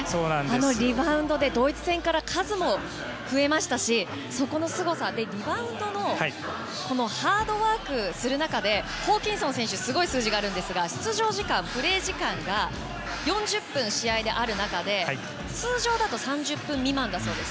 あのリバウンドでドイツ戦から数も増えましたしそこのすごさリバウンドのハードワークする中でホーキンソン選手はすごい数字があるんですが出場時間、プレー時間が４０分、試合である中で通常だと３０分未満だそうです。